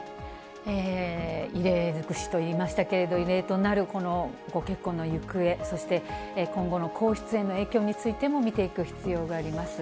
異例尽くしと言いましたけれども、異例となるこのご結婚の行方、そして今後の皇室への影響についても見ていく必要があります。